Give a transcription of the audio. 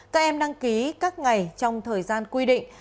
các em đăng ký các ngày trong thời gian quy định